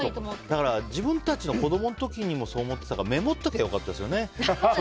だから自分たちの子供の時にもそう思っていたからメモっとけば良かったですよね。